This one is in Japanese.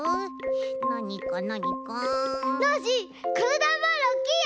ノージーこのだんボールおっきいよ！